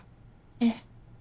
ええ。